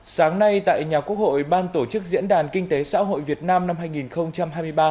sáng nay tại nhà quốc hội ban tổ chức diễn đàn kinh tế xã hội việt nam năm hai nghìn hai mươi ba